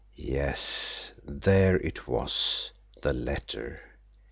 Yes, there it was the letter.